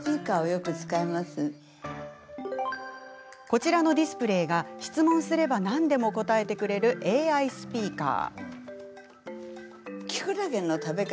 こちらのディスプレイが質問すれば何でも答えてくれるＡＩスピーカー。